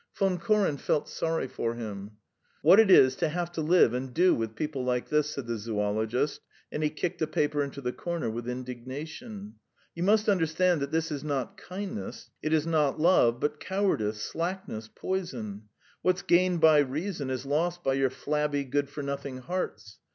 Von Koren felt sorry for him. "What it is to have to live and do with people like this," said the zoologist, and he kicked a paper into the corner with indignation. "You must understand that this is not kindness, it is not love, but cowardice, slackness, poison! What's gained by reason is lost by your flabby good for nothing hearts!